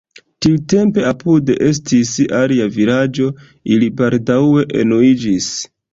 Tiutempe apude estis alia vilaĝo, ili baldaŭe unuiĝis.